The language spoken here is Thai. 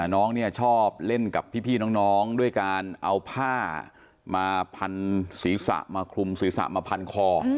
น้องเนี่ยชอบเล่นกับพี่น้องด้วยการเอาผ้ามาพันศีรษะมาคลุมศีรษะมาพันคอ